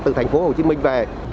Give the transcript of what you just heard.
từ thành phố hồ chí minh về